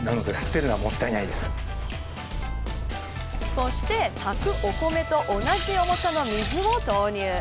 そして、炊くお米と同じ重さの水を投入。